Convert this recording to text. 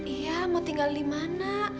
iya mau tinggal dimana